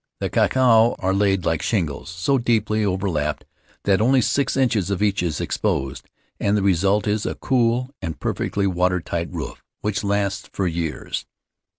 The Icakao are laid on like shingles, so deeply overlapped that only six inches of each is exposed, and the result is a cool and perfectly water tight roof which lasts for years.